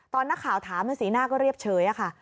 ตอนนักข่าวถามสีหน้าก็เรียบเฉยค่ะ